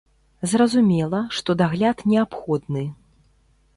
Зразумела, што дагляд неабходны.